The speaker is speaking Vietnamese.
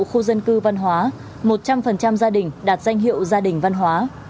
một khu dân cư văn hóa một trăm linh gia đình đạt danh hiệu gia đình văn hóa